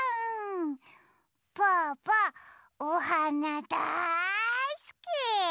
ぽぅぽおはなだいすき。